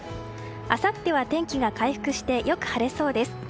あさっては天気が回復してよく晴れそうです。